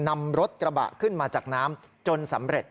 นำรถกระบะขึ้นมาจากน้ำจนสำเร็จ